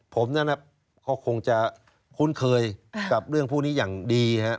ผมนั้นเขาคงจะคุ้นเคยกับเรื่องพวกนี้อย่างดีครับ